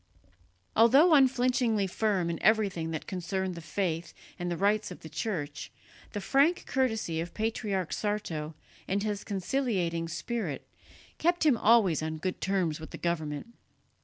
Although unflinchingly firm in everything that concerned the faith and the rights of the Church, the frank courtesy of Patriarch Sarto and his conciliating spirit kept him always on good terms with the government.